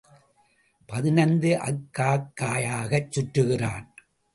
பதினைந்து அக்காக்காயாகச் சுற்றுகிறான்.